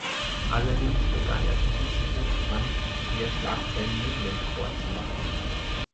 Allerdings begann er von diesem Punkt an eher Schlagzeilen neben dem Sport zu machen.